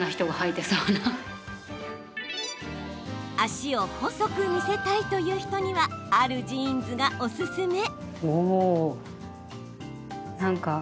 脚を細く見せたいという人にはあるジーンズがおすすめ。